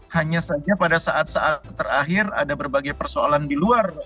hanya saja pada saat saat terakhir ada berbagai persoalan di luar